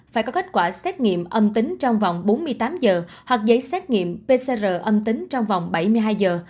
phải có kết quả xét nghiệm âm tính trong vòng bốn mươi tám giờ hoặc giấy xét nghiệm pcr âm tính trong vòng bảy mươi hai giờ